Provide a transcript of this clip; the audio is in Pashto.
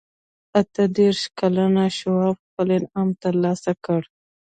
اته دېرش کلن شواب خپل انعام ترلاسه کړ.